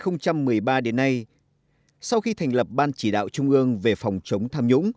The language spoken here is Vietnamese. từ năm hai nghìn một mươi ba đến nay sau khi thành lập ban chỉ đạo trung ương về phòng chống tham nhũng